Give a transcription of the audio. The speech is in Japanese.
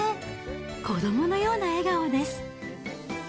子どものような笑顔です。